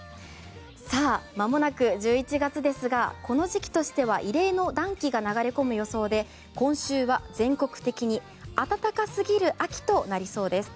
さあまもなく１１月ですがこの時期としては異例の暖気が流れ込む予想で今週は全国的に暖かすぎる秋となりそうです。